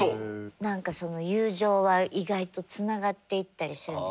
何かその友情は意外とつながっていったりするんで。